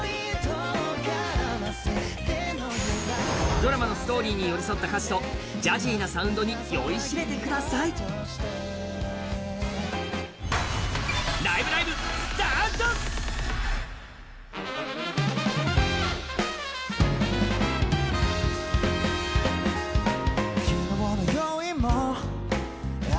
ドラマのストーリーに寄り添った歌詞とジャジーなサウンドに酔いしれてください「ＣＤＴＶ」が３０周年！